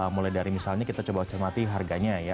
mulai dari misalnya kita coba cermati harganya ya